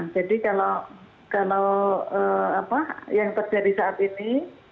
jadi kalau yang terjadi saat ini